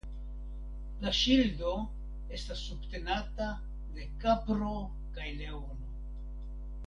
La ŝildo estas subtenata de kapro kaj leono.